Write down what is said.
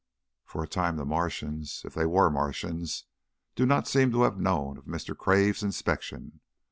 For a time the Martians if they were Martians do not seem to have known of Mr. Cave's inspection.